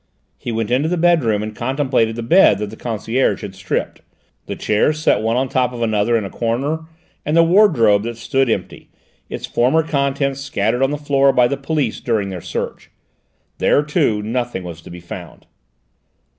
He went into the bedroom and contemplated the bed, that the concierge had stripped, the chairs set one on top of another in a corner, and the wardrobe that stood empty, its former contents scattered on the floor by the police during their search. There, too, nothing was to be found.